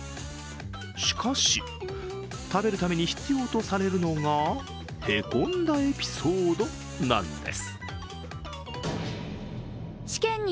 しかし、食べるために必要とされるのが凹んだエピソードなんです。